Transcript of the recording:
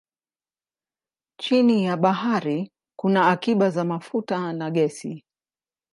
Chini ya bahari kuna akiba za mafuta na gesi.